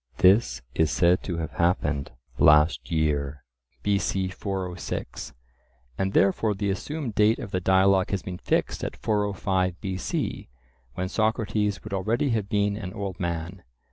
This is said to have happened "last year" (B.C. 406), and therefore the assumed date of the dialogue has been fixed at 405 B.C., when Socrates would already have been an old man.